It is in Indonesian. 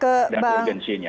seperti itu mbak elvira konsepnya